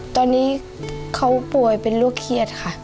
ตอนนี้เขาป่วยเป็นโรคเครียดค่ะ